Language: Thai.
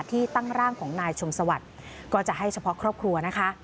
ที่ตั้งร่างของนายชมสวัสดิ์ก็จะให้เฉพาะครอบครัวนะคะ